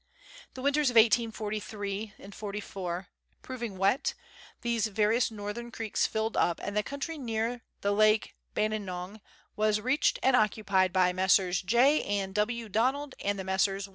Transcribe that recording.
The winters of 18434 proving wet, these various northern creeks filled up, and the country near the Lake Bainenong was reached and occupied by Messrs. J. and W. Donald and the Messrs.